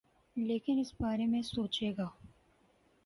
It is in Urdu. لیکن اس بارے میں سوچے گا۔